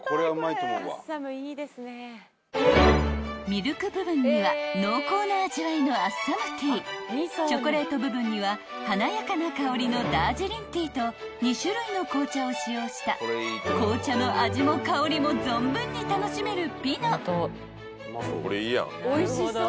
［ミルク部分には濃厚な味わいのアッサムティーチョコレート部分には華やかな香りのダージリンティーと２種類の紅茶を使用した紅茶の味も香りも存分に楽しめるｐｉｎｏ］